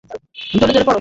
জোরে জোরে পড়ো।